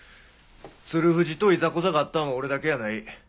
鶴藤といざこざがあったんは俺だけやない。